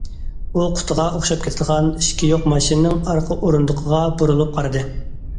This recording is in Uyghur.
ئۇ قۇتىغا ئوخشاپ كېتىدىغان، ئىشىكى يوق ماشىنىنىڭ ئارقا ئورۇندۇقىغا بۇرۇلۇپ قارىدى.